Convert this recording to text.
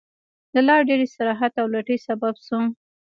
د لا ډېر استراحت او لټۍ سبب شو.